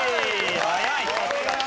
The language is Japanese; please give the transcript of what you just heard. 早い！